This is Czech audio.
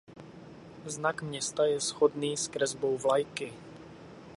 Znak města je shodný s kresbou vlajky.